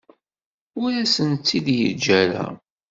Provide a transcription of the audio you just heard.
Ur asen-tt-id-yeǧǧa ara.